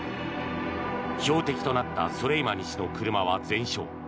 標的となったソレイマニ氏の車は全焼。